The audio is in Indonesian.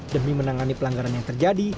demi menangani pelanggaran yang terjadi